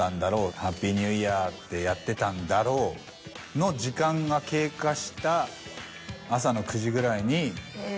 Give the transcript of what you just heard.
ハッピーニューイヤーってやってたんだろうの時間が経過した。